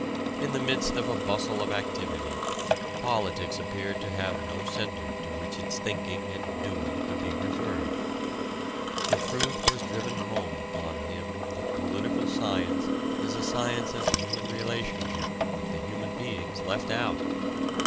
In the midst of a bustle of activity, politics appeared to have no center to which its thinking and doing could be referred. The truth was driven home upon him that political science is a science of human relationship with the human beings left out.